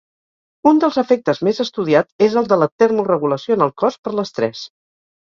Un dels efectes més estudiat és el de la termoregulació en el cos per l'estrès.